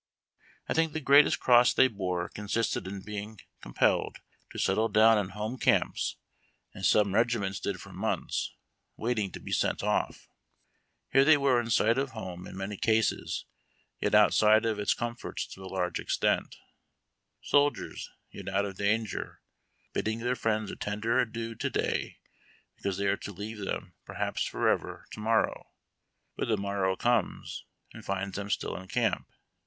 I thiids; the greatest cross they bore consisted in being compelled to settle down in home camp, as some regiments HAW uECRUirs. 211 did for months, waiting to be sent off. Here tliey were in sight of home in many cases, yet outside of its comforts to a large extent ; soldiers, yet out of danger ; bidding their friends a tender adieu to day, because they are to leave them — perhaps forever — to morrow. But the morrow comes, and finds them still in camp.